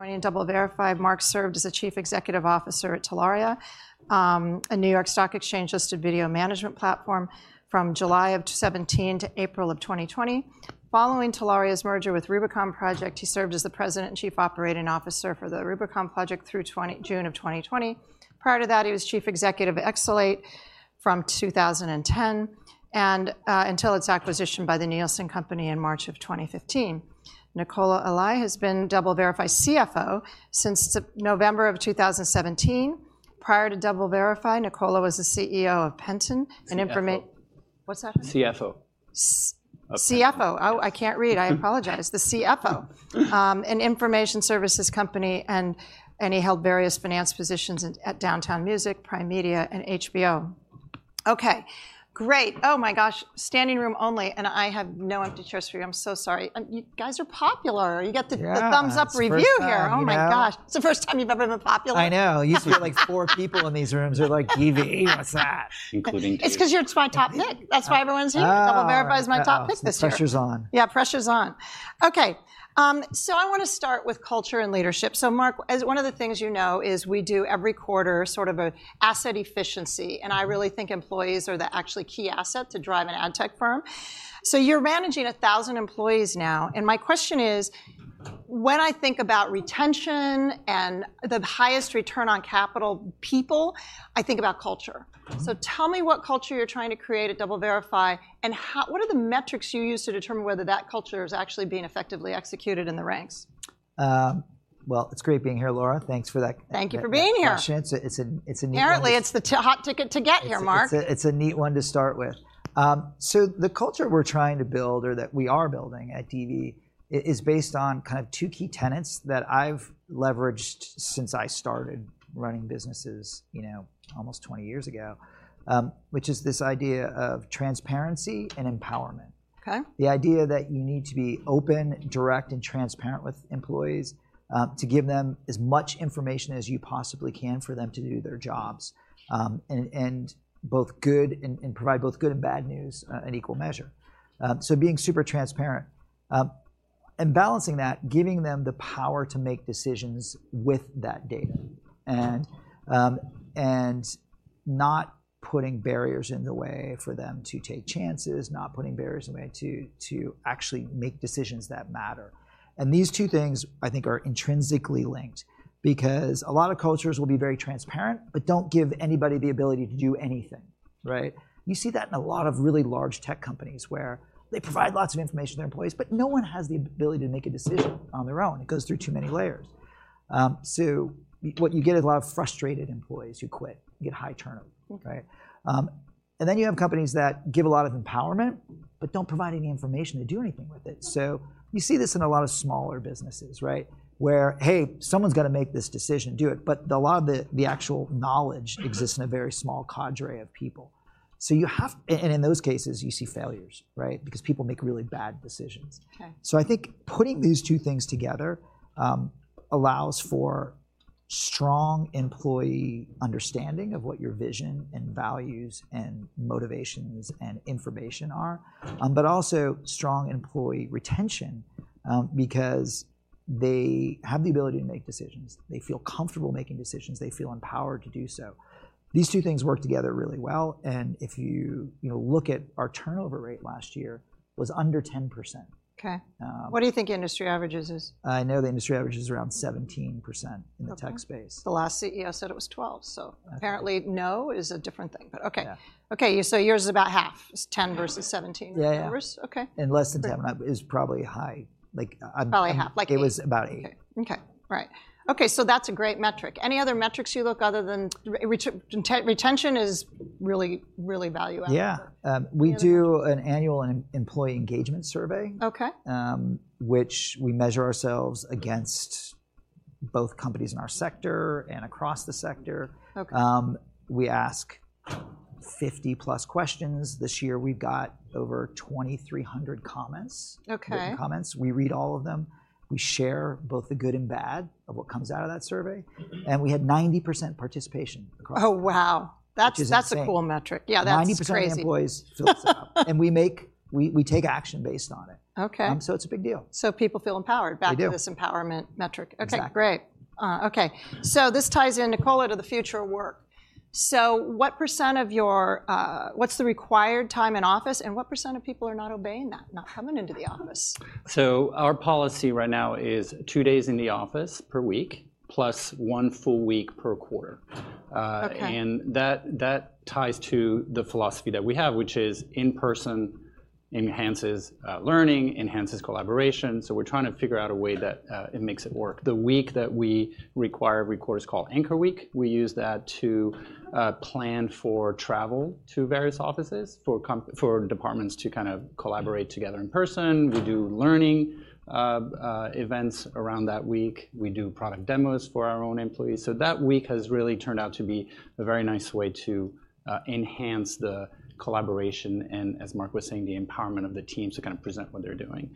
Running DoubleVerify, Mark served as the Chief Executive Officer at Telaria, a New York Stock Exchange-listed video management platform from July 2017 to April 2020. Following Telaria's merger with Rubicon Project, he served as the President and Chief Operating Officer for the Rubicon Project through June 2020. Prior to that, he was chief executive of eXelate from 2010 and until its acquisition by the Nielsen Company in March 2015. Nicola Allais has been DoubleVerify CFO since November 2017. Prior to DoubleVerify, Nicola was the CEO of Penton, an Informa- CFO. What's that, honey? CFO. S- Okay. CFO. Oh, I can't read. I apologize. The CFO—an information services company, and, and he held various finance positions at, at Downtown Music, Primedia, and HBO. Okay, great. Oh, my gosh, standing room only, and I have no empty chairs for you. I'm so sorry. You guys are popular. You got the- Yeah... the thumbs-up review here. It's the first time, you know? Oh, my gosh. It's the first time you've ever been popular. I know. Usually, we have, like, four people in these rooms. They're like, "DV, what's that? Including you. It's 'cause you're, it's my top pick. Oh, me. That's why everyone's here. Oh. DoubleVerify is my top pick this year. The pressure's on. Yeah, pressure's on. Okay, so I wanna start with culture and leadership. So Mark, as one of the things you know is we do every quarter sort of a asset efficiency, and I really think employees are the actually key asset to drive an ad tech firm. So you're managing 1,000 employees now, and my question is: When I think about retention and the highest return on capital, people, I think about culture. So tell me what culture you're trying to create at DoubleVerify, and how... What are the metrics you use to determine whether that culture is actually being effectively executed in the ranks? Well, it's great being here, Laura. Thanks for that. Thank you for being here. ...invitation. It's a neat one- Apparently, it's the hot ticket to get here, Mark. It's a neat one to start with. So the culture we're trying to build, or that we are building at DV, is based on kind of two key tenets that I've leveraged since I started running businesses, you know, almost 20 years ago, which is this idea of transparency and empowerment. Okay. The idea that you need to be open, direct, and transparent with employees, to give them as much information as you possibly can for them to do their jobs, and provide both good and bad news, in equal measure. So being super transparent, and balancing that, giving them the power to make decisions with that data, and not putting barriers in the way for them to take chances, not putting barriers in the way to actually make decisions that matter. And these two things, I think, are intrinsically linked because a lot of cultures will be very transparent but don't give anybody the ability to do anything, right? You see that in a lot of really large tech companies, where they provide lots of information to their employees, but no one has the ability to make a decision on their own. It goes through too many layers. So what you get is a lot of frustrated employees who quit. You get high turnover. Okay. You have companies that give a lot of empowerment but don't provide any information to do anything with it. Okay. So you see this in a lot of smaller businesses, right? Where, "Hey, someone's gotta make this decision. Do it," but a lot of the actual knowledge exists in a very small cadre of people. So you have... and in those cases, you see failures, right? Because people make really bad decisions. Okay. So I think putting these two things together allows for strong employee understanding of what your vision, and values, and motivations, and information are, but also strong employee retention, because they have the ability to make decisions. They feel comfortable making decisions. They feel empowered to do so. These two things work together really well, and if you, you know, look at our turnover rate, last year was under 10%. Okay. Um- What do you think industry averages is? I know the industry average is around 17% in the tech space. Okay. The last CEO said it was 12, so- Okay... apparently, no is a different thing, but okay. Yeah. Okay, so yours is about half. It's 10 versus 17- Yeah, yeah... numbers? Okay. Less than 10 is probably high, like, on- Probably half, like eight. It was about eight. Okay. Okay, right. Okay, so that's a great metric. Any other metrics you look other than... retention is really, really valuable. Yeah. Um- We do- Any other ones?... an annual employee engagement survey- Okay... which we measure ourselves against both companies in our sector and across the sector. Okay. We ask 50+ questions. This year, we've got over 2,300 comments- Okay... written comments. We read all of them. We share both the good and bad of what comes out of that survey, and we had 90% participation across- Oh, wow. Which is insane. That's a cool metric. Yeah, that's crazy. 90% of the employees filled stuff out, and we take action based on it. Okay. So, it's a big deal. So people feel empowered- They do... back to this empowerment metric. Exactly. Okay, great. Okay, so this ties in, Nicola, to the future of work. So what's the required time in office, and what percent of people are not obeying that, not coming into the office? So our policy right now is two days in the office per week, plus one full week per quarter. Okay... and that ties to the philosophy that we have, which is in person enhances learning, enhances collaboration, so we're trying to figure out a way that it makes it work. The week that we require every quarter is called Anchor Week. We use that to plan for travel to various offices, for departments to kind of collaborate together in person. We do learning events around that week. We do product demos for our own employees. So that week has really turned out to be a very nice way to enhance the collaboration and, as Mark was saying, the empowerment of the teams to kind of present what they're doing.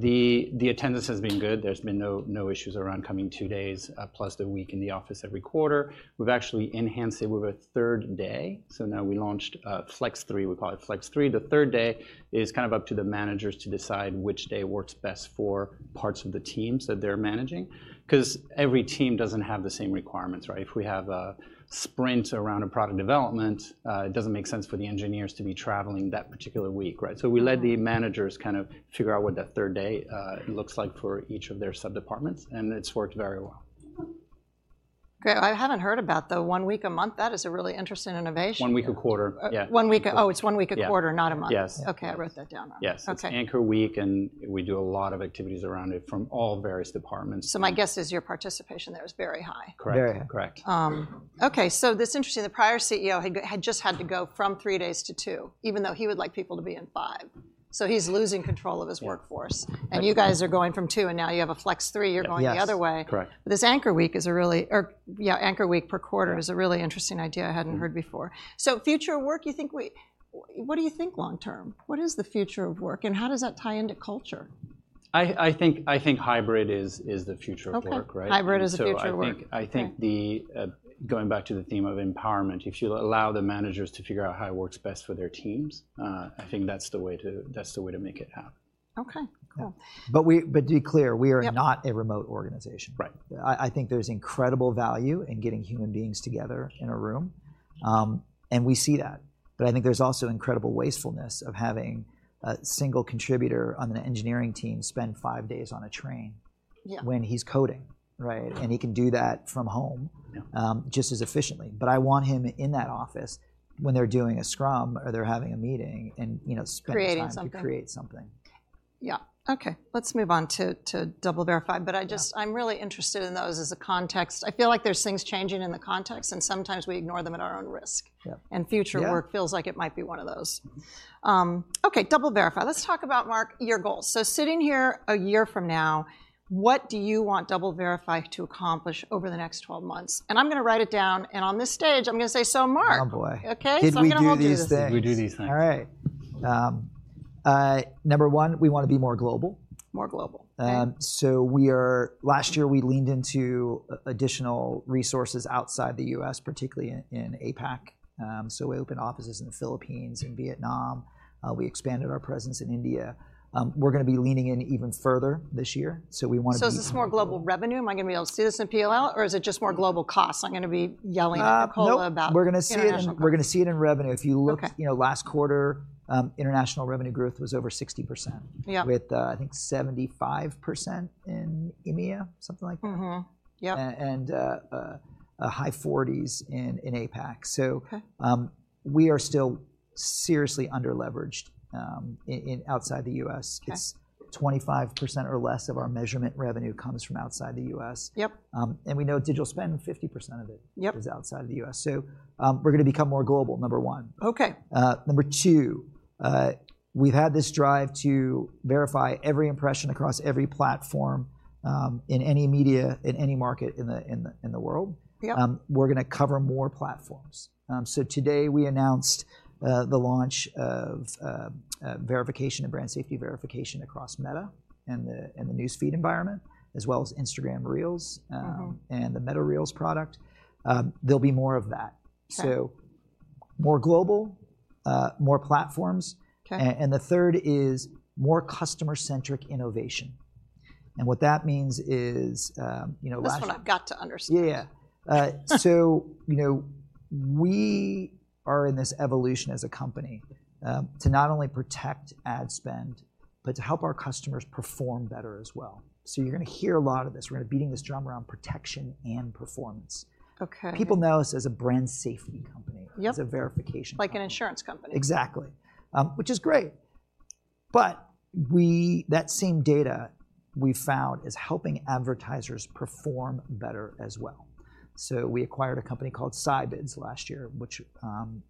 The attendance has been good. There's been no issues around coming two days plus the week in the office every quarter. We've actually enhanced it with a third day, so now we launched Flex 3. We call it Flex 3. The third day is kind of up to the managers to decide which day works best for parts of the teams that they're managing 'cause every team doesn't have the same requirements, right? If we have a sprint around a product development, it doesn't make sense for the engineers to be traveling that particular week, right? So we let the managers kind of figure out what that third day looks like for each of their sub-departments, and it's worked very well. ... Great, I haven't heard about the one week a month. That is a really interesting innovation. One week a quarter. Yeah. One week, oh, it's one week a quarter- Yeah... not a month. Yes. Okay, I wrote that down. Yes. Okay. It's Anchor Week, and we do a lot of activities around it from all various departments. My guess is your participation there is very high? Correct. Very high. Correct. Okay, so this is interesting, the prior CEO had just had to go from three days to two, even though he would like people to be in five. So he's losing control of his workforce- Yeah... and you guys are going from two, and now you have a Flex 3. Yes. You're going the other way. Correct. This Anchor Week is a really... Or, yeah, Anchor Week per quarter. Yeah... is a really interesting idea I hadn't heard before. So future of work, what do you think long term? What is the future of work, and how does that tie into culture? I think hybrid is the future of work- Okay... right? Hybrid is the future of work. I think, I think the going back to the theme of empowerment, if you allow the managers to figure out how it works best for their teams, I think that's the way to, that's the way to make it happen. Okay. Cool. But to be clear- Yep... we are not a remote organization. Right. I think there's incredible value in getting human beings together in a room. And we see that, but I think there's also incredible wastefulness of having a single contributor on the engineering team spend five days on a train- Yeah... when he's coding, right? And he can do that from home- Yeah... just as efficiently. But I want him in that office when they're doing a scrum or they're having a meeting and, you know, spending time- Creating something... to create something. Yeah. Okay, let's move on to DoubleVerify. Yeah. But I just, I'm really interested in those as a context. I feel like there's things changing in the context, and sometimes we ignore them at our own risk. Yeah. Future of work. Yeah... feels like it might be one of those. Okay, DoubleVerify. Let's talk about, Mark, your goals. So sitting here a year from now, what do you want DoubleVerify to accomplish over the next 12 months? And I'm gonna write it down, and on this stage, I'm gonna say, "So, Mark"- Oh, boy. Okay? Did we do these things? I'm gonna hold you to this. Did we do these things? All right. Number one, we wanna be more global. More global. Um- Right... so last year we leaned into additional resources outside the U.S., particularly in APAC. So we opened offices in the Philippines and Vietnam. We expanded our presence in India. We're gonna be leaning in even further this year, so we wanna be- So is this more global revenue? Am I gonna be able to see this in P&L, or is it just more global costs? I'm gonna be yelling at Nicola about- Nope, we're gonna see it in- International costs... we're gonna see it in revenue. Okay. If you look, you know, last quarter, international revenue growth was over 60%. Yeah... with, I think 75% in EMEA, something like that. Mm-hmm. Yep. And a high 40s in APAC. Okay. We are still seriously under-leveraged outside the U.S. Okay. 'Cause 25% or less of our measurement revenue comes from outside the U.S. Yep. We know digital spend, 50% of it- Yep... is outside of the U.S. So, we're gonna become more global, number one. Okay. Number two, we've had this drive to verify every impression across every platform, in any media, in any market in the world. Yep. We're gonna cover more platforms. Today we announced the launch of verification and brand safety verification across Meta and the newsfeed environment, as well as Instagram Reels- Mm-hmm... and the Meta Reels product. There'll be more of that. Okay. More global, more platforms. Okay. and the third is more customer-centric innovation, and what that means is, you know, last year- This one I've got to understand. Yeah, yeah. So, you know, we are in this evolution as a company, to not only protect ad spend, but to help our customers perform better as well. So you're gonna hear a lot of this. We're gonna be beating this drum around protection and performance. Okay. People know us as a brand safety company. Yep... as a verification company. Like an insurance company. Exactly. Which is great, but that same data, we found, is helping advertisers perform better as well. So we acquired a company called Scibids last year, which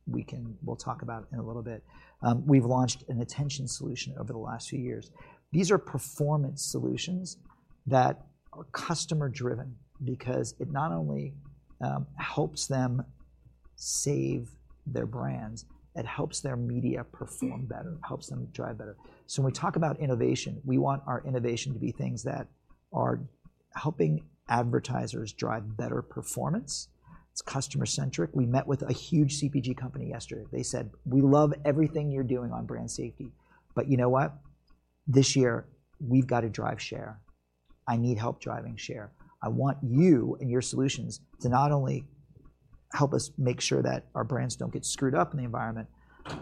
we can, we'll talk about in a little bit. We've launched an attention solution over the last few years. These are performance solutions that are customer-driven because it not only helps them save their brands, it helps their media perform better- Mm... helps them drive better. So when we talk about innovation, we want our innovation to be things that are helping advertisers drive better performance. It's customer-centric. We met with a huge CPG company yesterday. They said, "We love everything you're doing on brand safety, but you know what? This year we've gotta drive share. I need help driving share. I want you and your solutions to not only help us make sure that our brands don't get screwed up in the environment,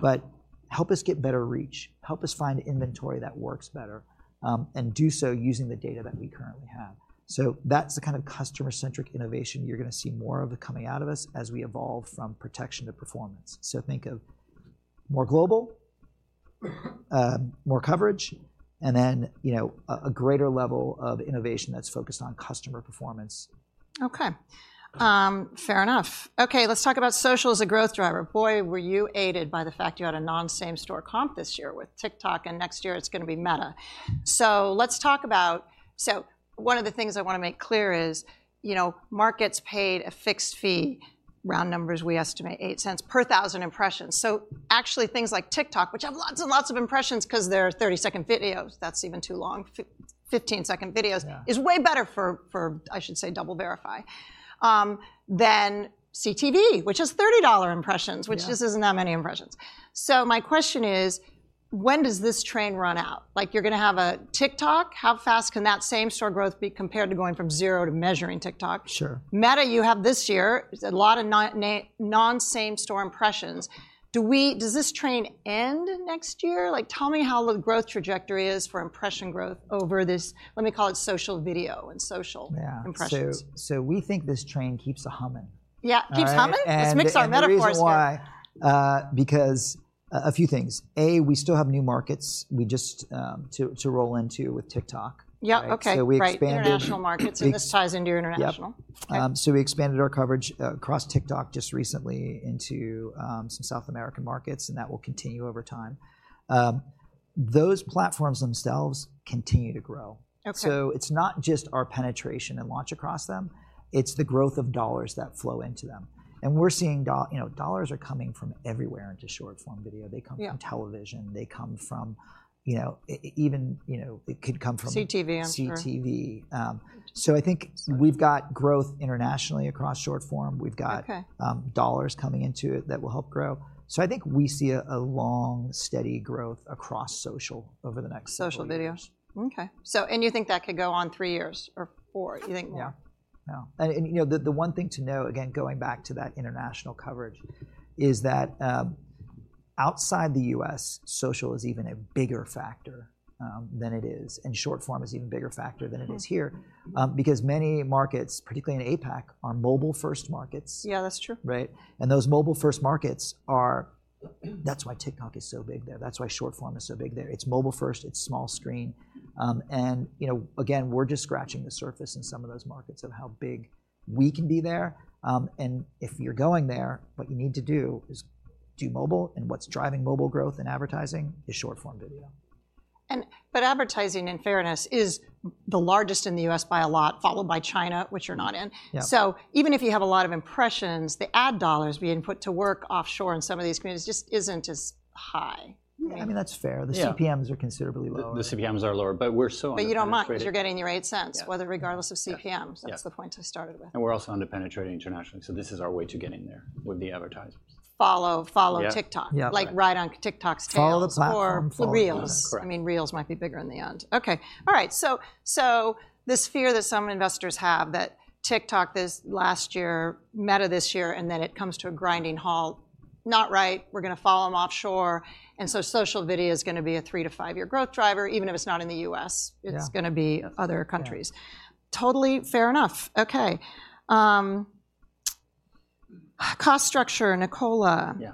but help us get better reach, help us find inventory that works better, and do so using the data that we currently have." So that's the kind of customer-centric innovation you're gonna see more of coming out of us as we evolve from protection to performance. So think of more global-... more coverage, and then, you know, a greater level of innovation that's focused on customer performance. Okay. Fair enough. Okay, let's talk about social as a growth driver. Boy, were you aided by the fact you had a non-same store comp this year with TikTok, and next year it's gonna be Meta. So let's talk about... So one of the things I wanna make clear is, you know, marketers paid a fixed fee, round numbers, we estimate $0.08 per 1,000 impressions. So actually things like TikTok, which have lots and lots of impressions, 'cause they're 30-second videos, that's even too long, 15-second videos- Yeah... is way better for, I should say, DoubleVerify, than CTV, which is $30 impressions- Yeah... which just isn't that many impressions. So my question is, when does this train run out? Like, you're gonna have a TikTok. How fast can that same store growth be compared to going from zero to measuring TikTok? Sure. Meta, you have this year. There's a lot of non-same store impressions. Does this train end next year? Like, tell me how the growth trajectory is for impression growth over this, let me call it, social video and social- Yeah... impressions. So we think this train keeps a-humming. Yeah. All right? Keeps humming? Let's mix our metaphors here. The reason why, because a few things. We still have new markets, we just to roll into with TikTok. Yeah. Okay. So we expanded- Right, international markets, and this ties into your international. Yep. Um. So we expanded our coverage across TikTok just recently into some South American markets, and that will continue over time. Those platforms themselves continue to grow. Okay. It's not just our penetration and launch across them, it's the growth of dollars that flow into them. We're seeing—you know—dollars are coming from everywhere into short-form video. Yeah. They come from television, they come from, you know, even, you know, it could come from- CTV, I'm sure. CTV. So, I think we've got growth internationally across short form. Okay. We've got dollars coming into it that will help grow. So I think we see a long, steady growth across social over the next several years. Social videos. Okay. So, and you think that could go on three years or four? You think more? Yeah. No, and you know, the one thing to note, again, going back to that international coverage, is that, outside the U.S., social is even a bigger factor than it is, and short-form is an even bigger factor than it is here. Mm-hmm. Because many markets, particularly in APAC, are mobile-first markets. Yeah, that's true. Right? And those mobile-first markets are. That's why TikTok is so big there. That's why short-form is so big there. It's mobile first, it's small screen. And, you know, again, we're just scratching the surface in some of those markets of how big we can be there. And if you're going there, what you need to do is do mobile, and what's driving mobile growth in advertising is short-form video. But advertising, in fairness, is the largest in the U.S. by a lot, followed by China, which you're not in. Yeah. Even if you have a lot of impressions, the ad dollars being put to work offshore in some of these communities just isn't as high. Yeah. I mean, that's fair. Yeah. The CPMs are considerably lower. The CPMs are lower, but we're so- But you don't mind, 'cause you're getting your $0.08- Yeah... whether regardless of CPMs. Yeah. That's the point I started with. We're also under-penetrating internationally, so this is our way to get in there with the advertisers. Follow, follow TikTok. Yeah. Yeah. Like, ride on TikTok's tail- Follow the platform.... or Reels. Correct. I mean, Reels might be bigger in the end. Okay. All right, so, so this fear that some investors have that TikTok this last year, Meta this year, and then it comes to a grinding halt, not right, we're gonna follow 'em offshore, and so social video is gonna be a three to five-year growth driver, even if it's not in the U.S. Yeah. It's gonna be other countries. Yeah. Totally fair enough. Okay. Cost structure, Nicola- Yeah.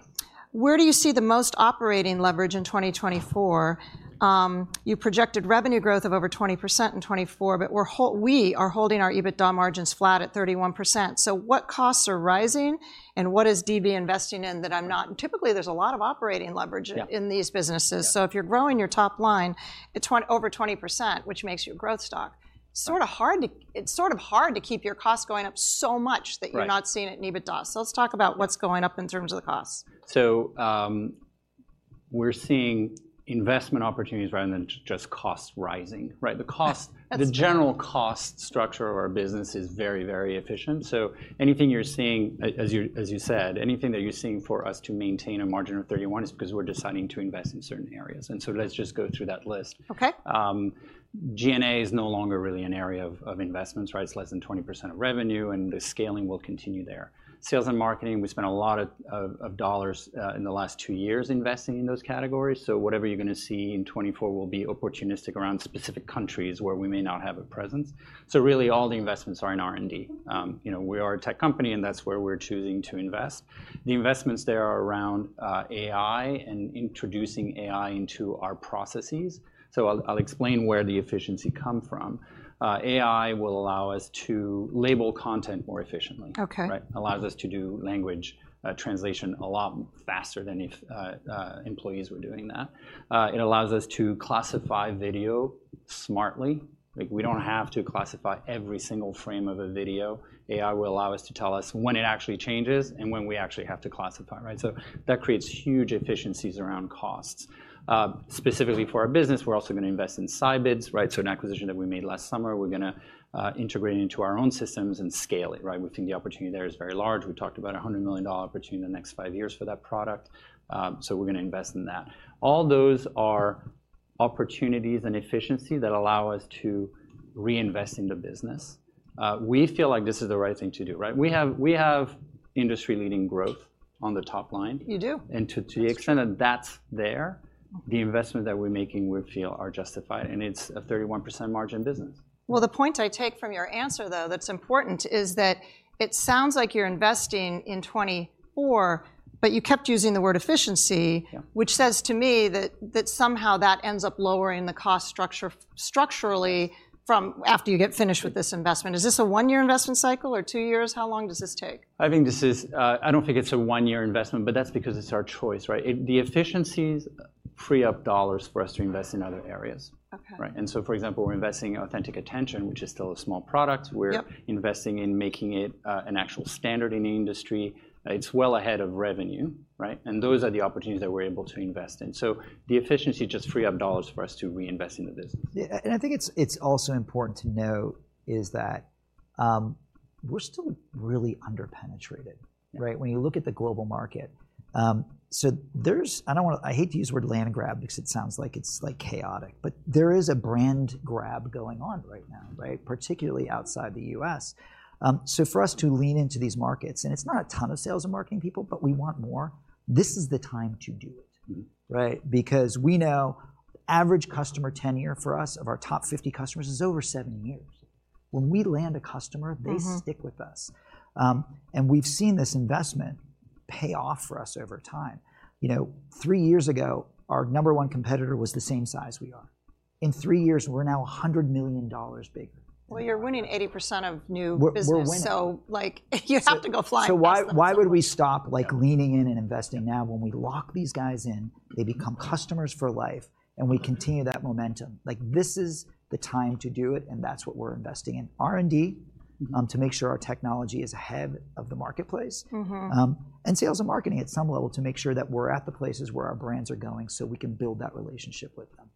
Where do you see the most operating leverage in 2024? You projected revenue growth of over 20% in 2024, but we're holding our EBITDA margins flat at 31%. So what costs are rising, and what is DV investing in that I'm not..." And typically, there's a lot of operating leverage- Yeah... in these businesses. Yeah. So if you're growing your top line to over 20%, which makes you a growth stock, sorta hard to- Right... it's sort of hard to keep your costs going up so much- Right... that you're not seeing it in EBITDA. So let's talk about what's going up in terms of the costs. We're seeing investment opportunities rather than just costs rising, right? The cost- That's-... the general cost structure of our business is very, very efficient. So anything you're seeing, as you said, anything that you're seeing for us to maintain a margin of 31% is because we're deciding to invest in certain areas. And so let's just go through that list. Okay. G&A is no longer really an area of investments, right? It's less than 20% of revenue, and the scaling will continue there. Sales and marketing, we spent a lot of dollars in the last two years investing in those categories. So whatever you're gonna see in 2024 will be opportunistic around specific countries where we may not have a presence. So really, all the investments are in R&D. You know, we are a tech company, and that's where we're choosing to invest. The investments there are around AI and introducing AI into our processes. So I'll explain where the efficiency come from. AI will allow us to label content more efficiently. Okay. Right? Allows us to do language translation a lot faster than if employees were doing that. It allows us to classify video smartly. Like, we don't have to classify every single frame of a video. AI will allow us to tell us when it actually changes and when we actually have to classify, right? So that creates huge efficiencies around costs. Specifically for our business, we're also gonna invest in Scibids, right? So an acquisition that we made last summer, we're gonna integrate into our own systems and scale it, right? We think the opportunity there is very large. We talked about a $100 million opportunity in the next five years for that product. So we're gonna invest in that. All those are opportunities and efficiency that allow us to reinvest in the business. We feel like this is the right thing to do, right? We have, we have industry-leading growth on the top line. You do. To the extent- Absolutely... that that's there, the investment that we're making, we feel, are justified, and it's a 31% margin business. Well, the point I take from your answer, though, that's important, is that it sounds like you're investing in 2024, but you kept using the word efficiency- Yeah... which says to me that somehow that ends up lowering the cost structure structurally from after you get finished with this investment. Is this a one-year investment cycle or two years? How long does this take? I think this is, I don't think it's a one-year investment, but that's because it's our choice, right? It, the efficiencies free up dollars for us to invest in other areas. Okay. Right, and so, for example, we're investing in Authentic Attention, which is still a small product. Yep. We're investing in making it an actual standard in the industry. It's well ahead of revenue, right? And those are the opportunities that we're able to invest in. So the efficiency just free up dollars for us to reinvest in the business. Yeah, and I think it's, it's also important to note is that, we're still really under-penetrated- Yeah... right, when you look at the global market. So there's—I don't wanna, I hate to use the word land grab because it sounds like it's, like, chaotic, but there is a brand grab going on right now, right? Particularly outside the U.S.. So for us to lean into these markets, and it's not a ton of sales and marketing people, but we want more, this is the time to do it. Mm-hmm. Right? Because we know average customer tenure for us, of our top 50 customers, is over seven years... when we land a customer, Mm-hmm. They stick with us. We've seen this investment pay off for us over time. You know, three years ago, our number one competitor was the same size we are. In three years, we're now $100 million bigger. Well, you're winning 80% of new business- We're winning.... so, like, you have to go fly past them. So why, why would we stop, like, leaning in and investing now? When we lock these guys in, they become customers for life, and we continue that momentum. Like, this is the time to do it, and that's what we're investing in. R&D, to make sure our technology is ahead of the marketplace. Mm-hmm... and sales and marketing at some level to make sure that we're at the places where our brands are going, so we can build that relationship with them.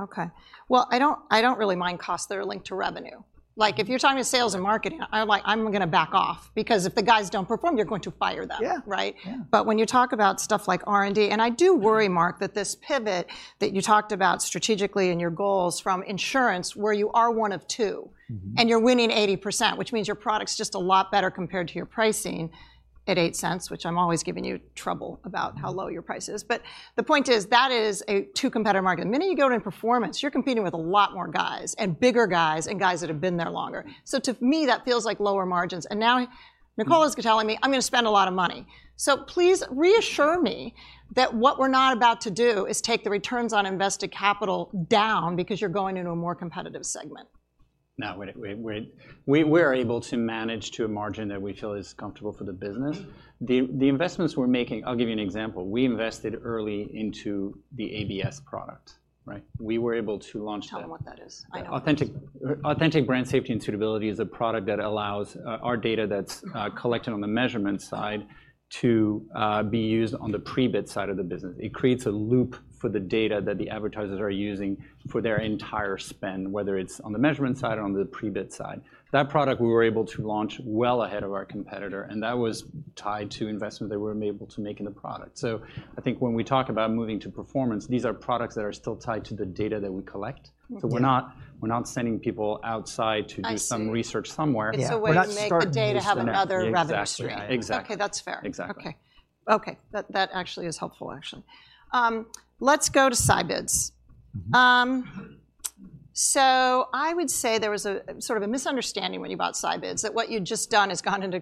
Okay. Well, I don't, I don't really mind costs that are linked to revenue. Mm-hmm. Like, if you're talking to sales and marketing, I'm like, "I'm gonna back off," because if the guys don't perform, you're going to fire them- Yeah... right? Yeah. But when you talk about stuff like R&D, and I do worry, Mark, that this pivot that you talked about strategically in your goals from insurance, where you are one of two- Mm-hmm... and you're winning 80%, which means your product's just a lot better compared to your pricing at $0.08, which I'm always giving you trouble about how low your price is. But the point is, that is a two-competitor market. The minute you go into performance, you're competing with a lot more guys, and bigger guys, and guys that have been there longer. So to me, that feels like lower margins. And now, Nicola is telling me, "I'm gonna spend a lot of money." So please reassure me that what we're not about to do is take the returns on invested capital down because you're going into a more competitive segment. No, we're able to manage to a margin that we feel is comfortable for the business. Mm-hmm. The investments we're making... I'll give you an example. We invested early into the ABS product, right? We were able to launch that- Tell them what that is. I know. Authentic Brand Suitability is a product that allows our data that's collected on the measurement side to be used on the pre-bid side of the business. It creates a loop for the data that the advertisers are using for their entire spend, whether it's on the measurement side or on the pre-bid side. That product, we were able to launch well ahead of our competitor, and that was tied to investment that we were able to make in the product. So I think when we talk about moving to performance, these are products that are still tied to the data that we collect. Yeah. So we're not, we're not sending people outside to do- I see... some research somewhere. Yeah. It's a way to make- We're not starting from scratch.... the data have another revenue stream. Yeah, exactly. Exactly. Okay, that's fair. Exactly. Okay. Okay, that, that actually is helpful, actually. Let's go to Scibids. Mm-hmm. So, I would say there was a sort of a misunderstanding when you bought Scibids, that what you'd just done is gone into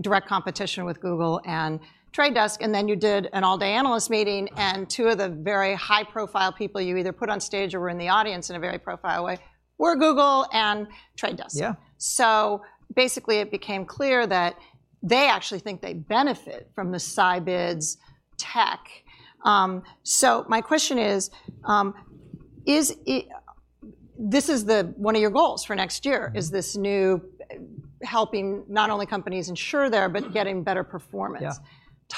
direct competition with Google and Trade Desk, and then you did an all-day analyst meeting- Mm... and two of the very high-profile people you either put on stage or were in the audience in a very high-profile way, were Google and The Trade Desk. Yeah. So basically, it became clear that they actually think they'd benefit from the Scibids tech. My question is, is this one of your goals for next year- Mm... is this new, helping not only companies ensure there, but getting better performance. Yeah.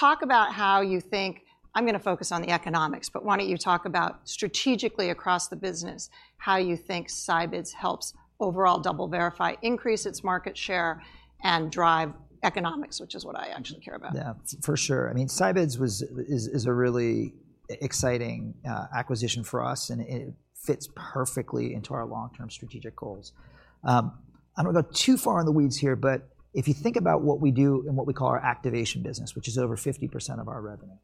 Talk about how you think... I'm gonna focus on the economics, but why don't you talk about strategically across the business, how you think Scibids helps overall DoubleVerify increase its market share and drive economics, which is what I actually care about. Yeah, for sure. I mean, Scibids was, is, is a really exciting acquisition for us, and it fits perfectly into our long-term strategic goals. I don't wanna go too far in the weeds here, but if you think about what we do in what we call our activation business, which is over 50% of our revenue.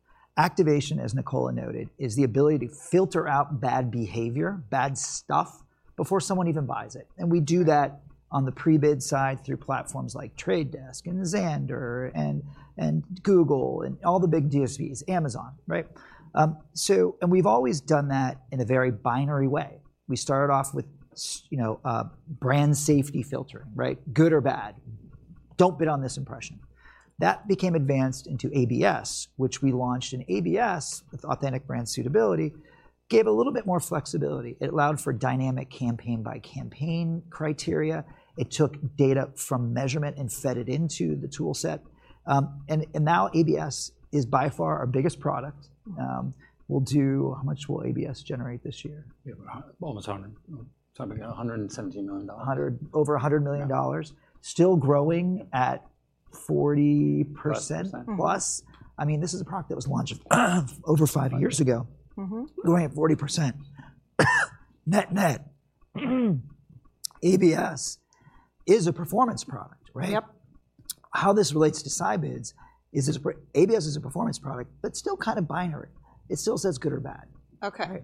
Activation, as Nicola noted, is the ability to filter out bad behavior, bad stuff, before someone even buys it. And we do that on the pre-bid side through platforms like The Trade Desk, and Xandr, and, and Google, and all the big DSPs, Amazon, right? So and we've always done that in a very binary way. We started off with you know, a brand safety filter, right? Good or bad, don't bid on this impression. That became advanced into ABS, which we launched, and ABS, with Authentic Brand Suitability, gave a little bit more flexibility. It allowed for dynamic campaign-by-campaign criteria, it took data from measurement and fed it into the tool set. And now ABS is by far our biggest product. We'll do... How much will ABS generate this year? We have almost $100, something like 117 million. Over $100 million. Yeah. Still growing at 40%- Plus percent. Mm. Plus, I mean, this is a product that was launched over five years ago- Mm-hmm... growing at 40%. Net-net, ABS is a performance product, right? Yep. How this relates to SciBids is, ABS is a performance product, but still kind of binary. It still says good or bad. Okay.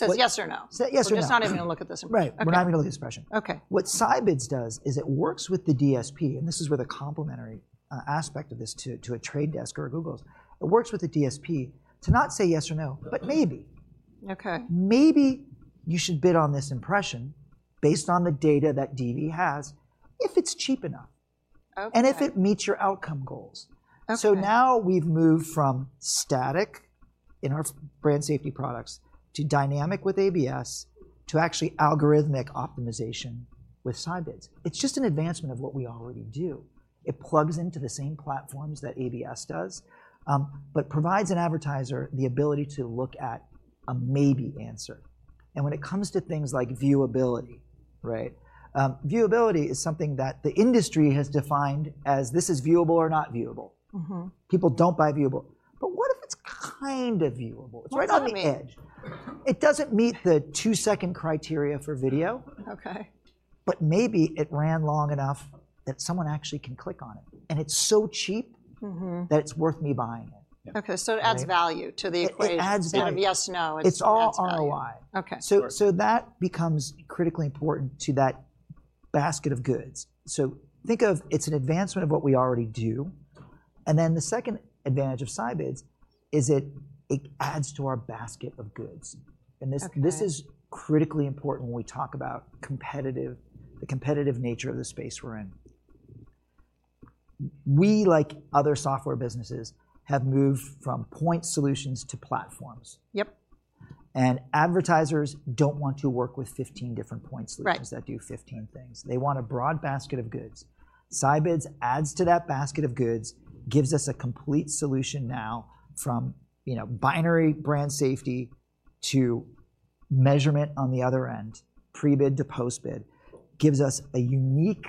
Right? Says yes or no. Say yes or no. We're just not even gonna look at this impression. Right. Okay. We're not gonna look at the impression. Okay. What SciBids does is it works with the DSP, and this is where the complementary aspect of this to, to The Trade Desk or a Google is. It works with the DSP to not say yes or no, but maybe. Okay. Maybe you should bid on this impression based on the data that DV has, if it's cheap enough- Okay... and if it meets your outcome goals. Okay. So now we've moved from static in our s- brand safety products, to dynamic with ABS, to actually algorithmic optimization with SciBids. It's just an advancement of what we already do. It plugs into the same platforms that ABS does, but provides an advertiser the ability to look at a maybe answer. And when it comes to things like viewability, right? Viewability is something that the industry has defined as, this is viewable or not viewable. Mm-hmm. People don't buy viewable. But what if it's kind of viewable? Right on the edge. It's right on the edge. It doesn't meet the two-second criteria for video- Okay... but maybe it ran long enough that someone actually can click on it, and it's so cheap-... mm-hmm, that it's worth me buying it. Okay. Right? It adds value to the equation. It adds value. Yes, no, it adds value. It's all ROI. Okay. Sure. That becomes critically important to that basket of goods. Think of it's an advancement of what we already do, and then the second advantage of Scibids is it adds to our basket of goods. Okay. This is critically important when we talk about the competitive nature of the space we're in. We, like other software businesses, have moved from point solutions to platforms. Yep. Advertisers don't want to work with 15 different point solutions- Right... that do 15 things. They want a broad basket of goods. SciBids adds to that basket of goods, gives us a complete solution now from, you know, binary brand safety to measurement on the other end. Pre-bid to post-bid. Gives us a unique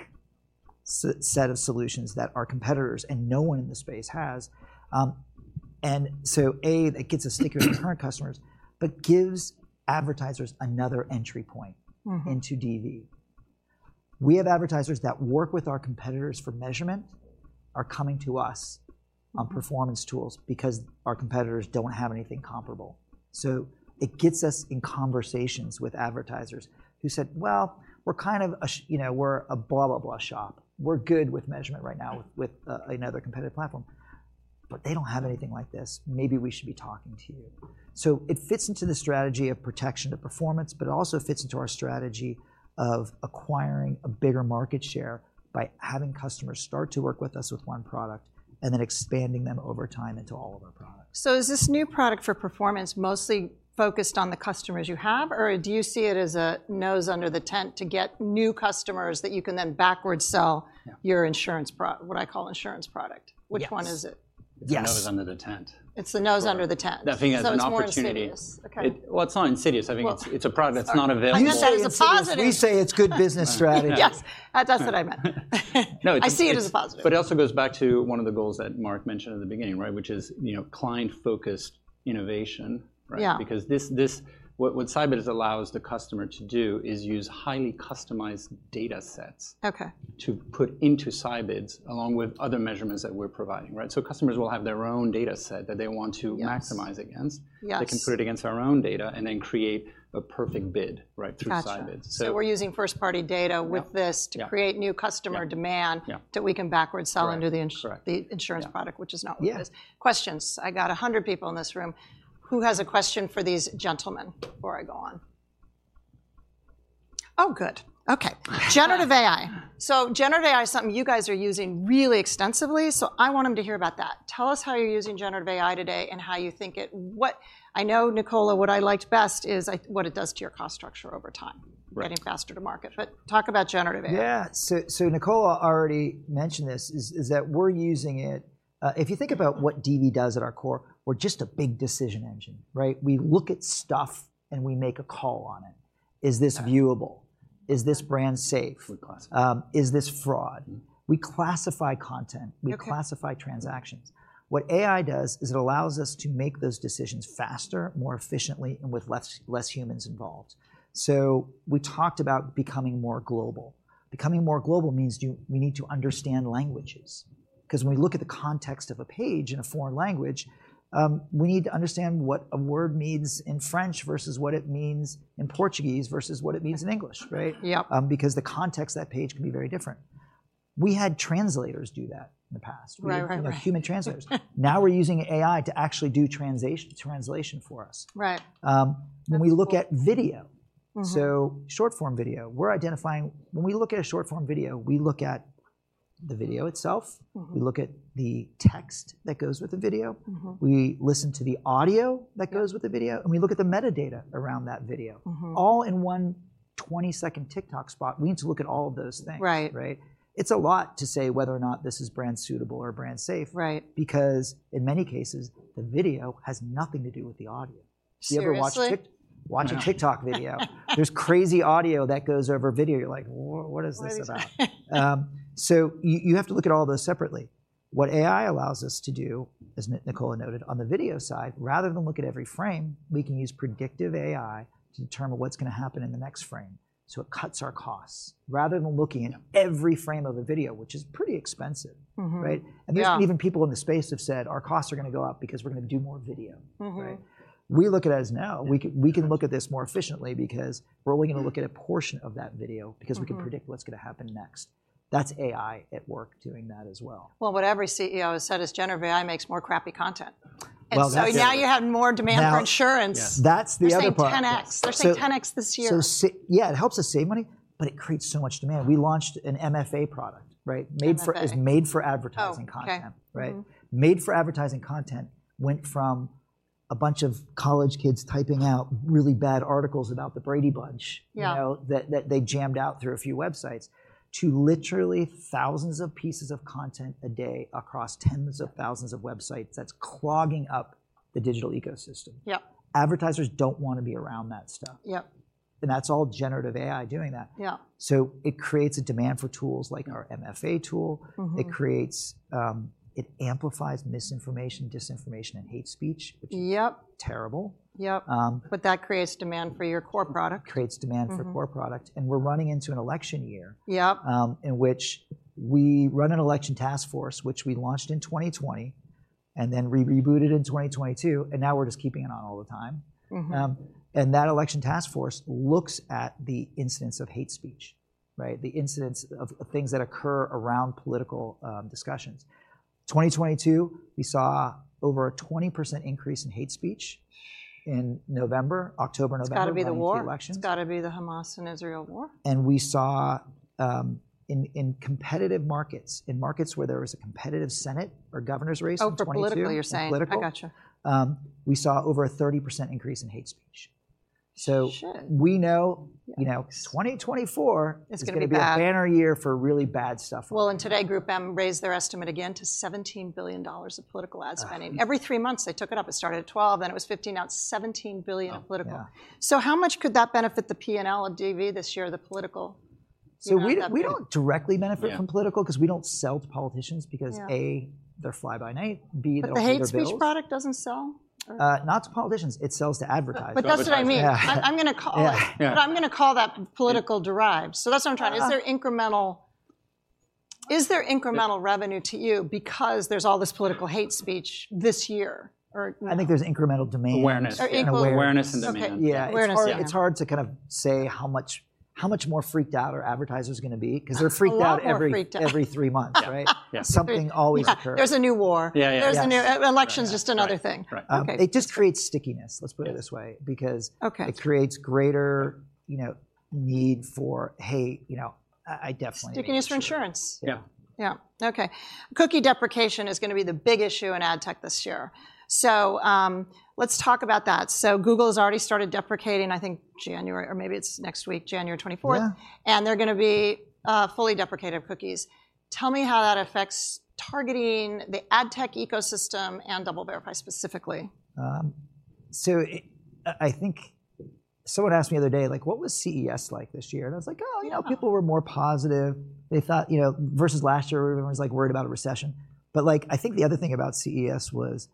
set of solutions that our competitors and no one in the space has. And so, A, that gets us stickier with current customers, but gives advertisers another entry point- Mm-hmm... into DV. We have advertisers that work with our competitors for measurement, are coming to us- Mm... on performance tools because our competitors don't have anything comparable. So it gets us in conversations with advertisers who said, "Well, we're kind of a sh- you know, we're a blah, blah, blah shop. We're good with measurement right now with another competitive platform, but they don't have anything like this. Maybe we should be talking to you." So it fits into the strategy of protection to performance, but it also fits into our strategy of acquiring a bigger market share by having customers start to work with us with one product and then expanding them over time into all of our products. So is this new product for performance mostly focused on the customers you have, or do you see it as a nose under the tent to get new customers that you can then backwards sell? Yeah... your insurance product, what I call insurance product? Yes. Which one is it? Yes. It's the nose under the tent. It's the nose under the tent. I think as an opportunity- So it's more insidious. Okay. Well, it's not insidious. Well- I think it's a product that's not available. I meant that as a positive! We say it's good business strategy. Yes. That's what I meant. No, it's- I see it as a positive. It also goes back to one of the goals that Mark mentioned at the beginning, right? Which is, you know, client-focused innovation, right? Yeah. Because this what Scibids allows the customer to do is use highly customized data sets- Okay... to put into Scibids, along with other measurements that we're providing, right? So customers will have their own data set that they want to maximize against. Yes, yes. They can put it against our own data and then create a perfect bid, right, through Scibids. Gotcha. So- So we're using first-party data with this- Yeah, yeah... to create new customer demand- Yeah, yeah... that we can backwards sell into the ins- Correct... the insurance product- Yeah... which is not what it is. Questions. I got 100 people in this room. Who has a question for these gentlemen before I go on? Oh, good. Okay. Generative AI. So generative AI is something you guys are using really extensively, so I want them to hear about that. Tell us how you're using generative AI today and how you think it... What... I know, Nicola, what I liked best is, like, what it does to your cost structure over time- Right... getting faster to market. But talk about Generative AI. Yeah. So Nicola already mentioned this, that we're using it, if you think about what DV does at our core, we're just a big decision engine, right? We look at stuff and we make a call on it. Yeah. Is this viewable? Is this brand safe? Good question. Is this fraud? Mm. We classify content- Okay... we classify transactions. What AI does is it allows us to make those decisions faster, more efficiently, and with less, less humans involved. So we talked about becoming more global. Becoming more global means we need to understand languages. 'Cause when we look at the context of a page in a foreign language, we need to understand what a word means in French versus what it means in Portuguese versus what it means in English, right? Yep. Because the context of that page can be very different. We had translators do that in the past. Right, right, right. You know, human translators. Now we're using AI to actually do translation for us. Right. When we look at video- Mm-hmm... so short-form video, when we look at a short-form video, we look at the video itself. Mm-hmm. We look at the text that goes with the video. Mm-hmm. We listen to the audio that goes with the video- Yeah... and we look at the metadata around that video. Mm-hmm. All in one 20-second TikTok spot, we need to look at all of those things. Right. Right? It's a lot to say whether or not this is brand suitable or brand safe- Right... because in many cases, the video has nothing to do with the audio. Seriously? You ever watch a TikTok video? There's crazy audio that goes over video. You're like, "What, what is this about? What is that? You have to look at all those separately. What AI allows us to do, as Nicola noted, on the video side, rather than look at every frame, we can use predictive AI to determine what's gonna happen in the next frame. It cuts our costs, rather than looking at every frame of a video, which is pretty expensive- Mm-hmm... right? Yeah. There's even people in the space have said, "Our costs are gonna go up because we're gonna do more video. Mm-hmm. Right? We look at it as now- Yeah... we can, we can look at this more efficiently, because we're only gonna look at a portion of that video- Mm-hmm... because we can predict what's gonna happen next. That's AI at work doing that as well. Well, what every CEO has said is Generative AI makes more crappy content. Well, that's- Now you have more demand for insurance. Now... Yes. That's the other part. They're saying 10x. So- They're saying 10x this year. So yeah, it helps us save money, but it creates so much demand. We launched an MFA product, right? MFA. It was made for advertising content. Oh, okay. Right? Mm-hmm. Made for Advertising content went from a bunch of college kids typing out really bad articles about the Brady Bunch- Yeah... you know, that they jammed out through a few websites, to literally thousands of pieces of content a day across tens of thousands of websites that's clogging up the digital ecosystem. Yep. Advertisers don't wanna be around that stuff. Yep. That's all Generative AI doing that. Yeah. It creates a demand for tools like our MFA tool. Mm-hmm. It creates, it amplifies misinformation, disinformation, and hate speech, which- Yep... terrible. Yep. Um- But that creates demand for your core product. Creates demand for core product. Mm-hmm. We're running into an election year- Yep in which we run an election task force, which we launched in 2020, and then we rebooted in 2022, and now we're just keeping it on all the time. Mm-hmm. And that election task force looks at the incidents of hate speech, right? The incidents of things that occur around political discussions. 2022, we saw over a 20% increase in hate speech in November, October, November- It's gotta be the war.... leading up to the election. It's gotta be the Hamas and Israel war. We saw in competitive markets, in markets where there was a competitive Senate or governor's race in 2022- Oh, for politically you're saying? For political. I gotcha. We saw over a 30% increase in hate speech. So- Shit!... we know- Yeah... you know, 2024- It's gonna be bad.... is gonna be a banner year for really bad stuff online. Well, today GroupM raised their estimate again to $17 billion of political ad spending. Ah. Every three months they took it up. It started at $12 billion, then it was 15 billion, now it's 17 billion in political. Oh, yeah. How much could that benefit the P&L of DV this year, the political year that we- We don't directly benefit- Yeah... from political, 'cause we don't sell to politicians because- Yeah... A, they're fly-by-night. B, they don't pay their bills. But the hate speech product doesn't sell, or? Not to politicians. It sells to advertisers. But that's what I mean. Yeah. I'm gonna call- Yeah, yeah... but I'm gonna call that political derived. Yeah. That's what I'm trying... Yeah. Is there incremental revenue to you because there's all this political hate speech this year, or no? I think there's incremental demand. Awareness. Or incre- And awareness. Awareness and demand. Okay. Awareness, yeah. Yeah, it's hard, it's hard to kind of say how much, how much more freaked out are advertisers gonna be- A lot more freaked out.... 'cause they're freaked out every three months, right? Yeah yeah. Something always occurs. There's a new war. Yeah, yeah. Yes. There's a new election. It's just another thing. Right, right. Okay. It just creates stickiness, let's put it this way, because- Okay... it creates greater, you know, need for, "Hey, you know, I, I definitely need insurance. Stickiness for insurance. Yeah. Yeah, okay. Cookie Deprecation is gonna be the big issue in ad tech this year, so, let's talk about that. So Google has already started deprecating, I think January, or maybe it's next week, January 24th- Yeah... and they're gonna be fully deprecated cookies. Tell me how that affects targeting the ad tech ecosystem and DoubleVerify specifically. I think someone asked me the other day, like, "What was CES like this year?" And I was like- Yeah... "Oh, you know, people were more positive. They thought..." You know, versus last year, everyone was, like, worried about a recession. But, like, I think the other thing about CES was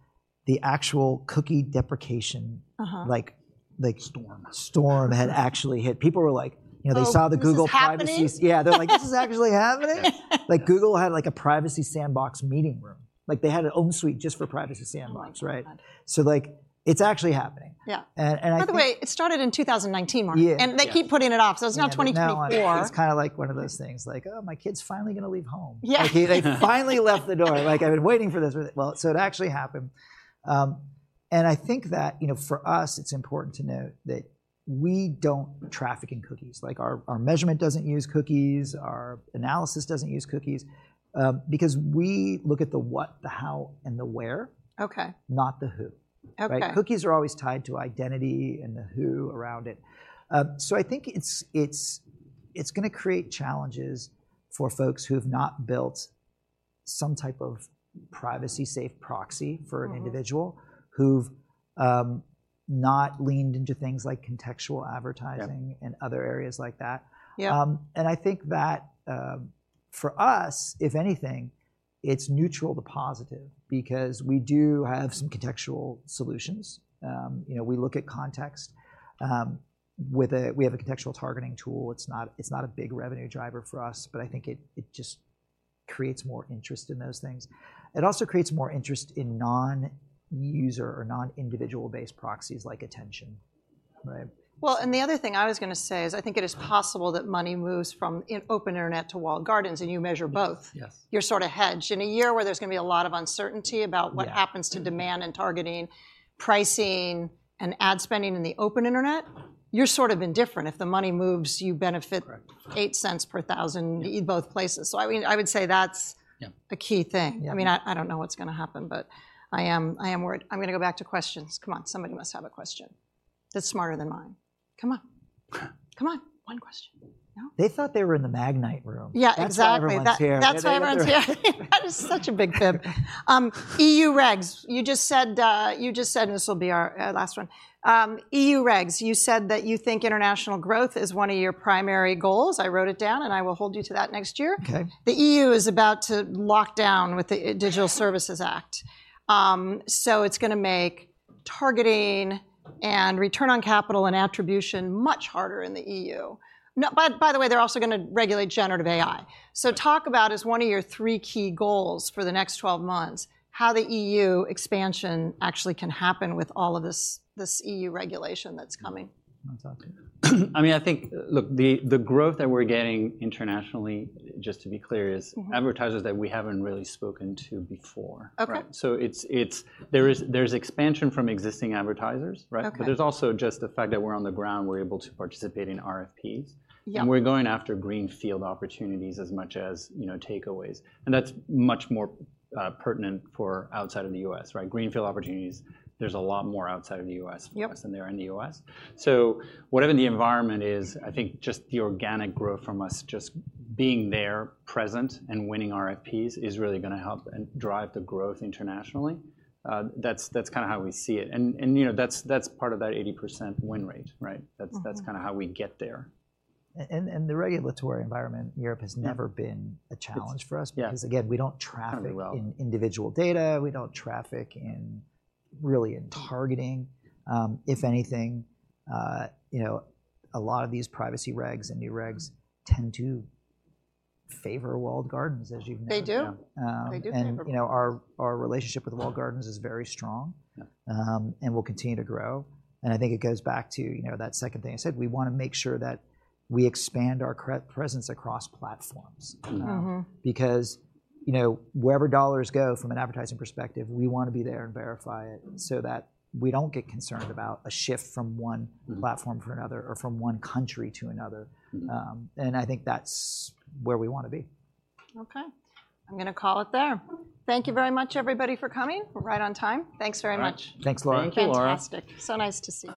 the actual Cookie Deprecation- Uh-huh... like, like- Storm... storm had actually hit. People were like, you know, they saw the Google Privacy- Oh, this is happening? Yeah. They're like: "This is actually happening?" Like, Google had, like, a Privacy Sandbox meeting room. Like, they had their own suite just for Privacy Sandbox, right? Oh, my God. Like, it's actually happening. Yeah. And, I think- By the way, it started in 2019, Mark. Yeah, yeah. They keep putting it off, so it's now 2024. Now it's kinda like one of those things, like, "Oh, my kid's finally gonna leave home. Yeah. Like, he finally left the door. Like, "I've been waiting for this." Well, so it actually happened. And I think that, you know, for us it's important to note that we don't traffic in cookies. Like, our, our measurement doesn't use cookies, our analysis doesn't use cookies, because we look at the what, the how, and the where- Okay... not the who. Okay. Right? Cookies are always tied to identity and the who around it. So I think it's gonna create challenges for folks who have not built some type of privacy safe proxy- Mm-hmm... for an individual, who've not leaned into things like contextual advertising- Yeah... and other areas like that. Yeah. And I think that, for us, if anything, it's neutral to positive because we do have some contextual solutions. You know, we look at context. With, we have a contextual targeting tool. It's not, it's not a big revenue driver for us, but I think it, it just creates more interest in those things. It also creates more interest in non-user or non-individual based proxies like attention, right? Well, and the other thing I was gonna say is I think it is possible that money moves from an open internet to walled gardens, and you measure both. Yes, yes. You're sort of hedged. In a year where there's gonna be a lot of uncertainty about- Yeah... what happens to demand and targeting, pricing, and ad spending in the open internet, you're sort of indifferent. If the money moves, you benefit- Correct... $0.08 per thousand in both places. Yeah. I mean, I would say that's- Yeah... a key thing. Yeah. I mean, I don't know what's gonna happen, but I am worried. I'm gonna go back to questions. Come on, somebody must have a question that's smarter than mine. Come on. Come on, one question. No? They thought they were in the Magnite room. Yeah, exactly. That's why everyone's here. That's why everyone's here. That is such a big bet. EU regs. You just said, and this will be our last one, EU regs, you said that you think international growth is one of your primary goals. I wrote it down, and I will hold you to that next year. Okay. The EU is about to lock down with the Digital Services Act. So it's gonna make targeting and return on capital and attribution much harder in the EU. Now, by the way, they're also gonna regulate Generative AI. Yeah. So, talk about, as one of your three key goals for the next 12 months, how the EU expansion actually can happen with all of this, this EU regulation that's coming? Wanna talk to... I mean, I think, look, the, the growth that we're getting internationally, just to be clear- Mm-hmm... is advertisers that we haven't really spoken to before. Okay. Right? So it's... there's expansion from existing advertisers, right? Okay. There's also just the fact that we're on the ground, we're able to participate in RFPs. Yeah. We're going after greenfield opportunities as much as, you know, takeaways, and that's much more pertinent for outside of the U.S., right? Greenfield opportunities, there's a lot more outside of the U.S.- Yep... than there are in the U.S. So whatever the environment is, I think just the organic growth from us just being there, present, and winning RFPs is really gonna help and drive the growth internationally. That's kinda how we see it, and you know, that's part of that 80% win rate, right? Mm-hmm. That's kinda how we get there. The regulatory environment in Europe has never been a challenge for us. It's... Yeah... because, again, we don't traffic- Pretty well... in individual data. We don't traffic in, really in targeting. If anything, you know, a lot of these privacy regs and new regs tend to favor walled gardens, as you've noted. They do. Um- They do favor Walled gardens. You know, our relationship with Walled Gardens is very strong. Yeah... and will continue to grow, and I think it goes back to, you know, that second thing I said. We wanna make sure that we expand our presence across platforms. Mm-hmm. Mm-hmm. Because, you know, wherever dollars go from an advertising perspective, we wanna be there and verify it so that we don't get concerned about a shift from one- Mm... platform for another or from one country to another. Mm-hmm. I think that's where we wanna be. Okay, I'm gonna call it there. Thank you very much, everybody, for coming, right on time. Thanks very much. All right. Thanks, Laura. Thank you, Laura. Fantastic. So nice to see you.